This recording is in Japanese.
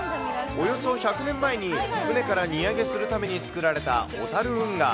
およそ１００年前に船から荷揚げするために造られた小樽運河。